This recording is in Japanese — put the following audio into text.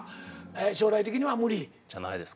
将来的には無理？じゃないですか？